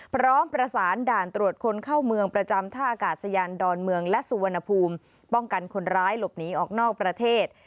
พร้อมประสานด่านตรวจคนเข้าเมืองประจำท่าอากาศยานดอนเมืองและสุวรรณภูมิป้องกันคนร้ายหลบหนีออกนอกประเทศ